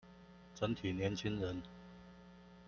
整體年輕人